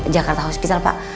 jakarta hospital pak